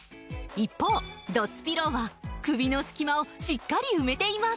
一方ドッツピローは首の隙間をしっかり埋めています